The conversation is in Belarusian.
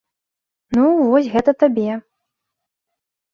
Ну, вось гэта табе!